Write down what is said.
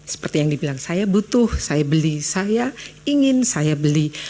seperti yang dibilang saya butuh saya beli saya ingin saya beli